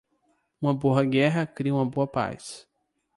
Uma boa guerra cria uma boa paz.